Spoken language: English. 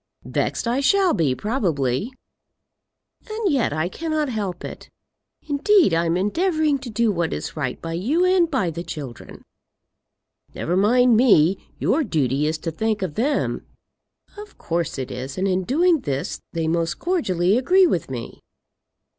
"Vexed I shall be, probably." "And yet I cannot help it. Indeed, I am endeavouring to do what is right by you and by the children." "Never mind me; your duty is to think of them." "Of course it is; and in doing this they most cordially agree with me."